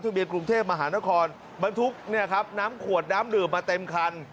ในกรุงเทพมหานครมันทุกข์น้ำขวดน้ำดื่มมาเต็มคัน